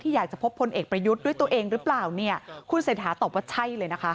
อยากจะพบพลเอกประยุทธ์ด้วยตัวเองหรือเปล่าเนี่ยคุณเศรษฐาตอบว่าใช่เลยนะคะ